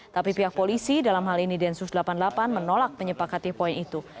tapi pihak polisi dalam hal ini densus delapan puluh delapan menolak menyepakati poin itu